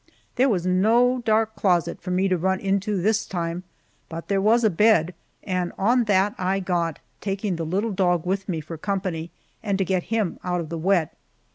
There was no dark closet for me to run into this time, but there was a bed, and on that I got, taking the little dog with me for company and to get him out of the wet.